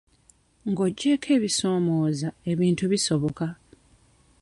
Ng'oggyeko ebisoomooza, ebintu bisoboka.